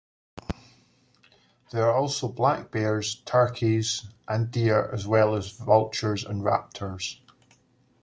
There are also black bears, turkeys, and deer, as well as vultures and raptors.